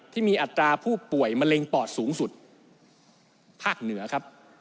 อัตราผู้ป่วยมะเร็งปอดสูงสุดภาคเหนือครับ